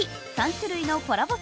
３種類のコラボ